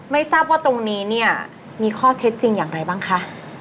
ไม่ทราบว่าตรงนี้เนี่ยมีข้อเท็จจริงอย่างไรบ้างคะ